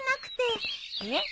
えっ？